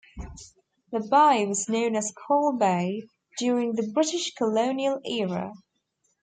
The bay was known as Cull Bay during the British colonial era.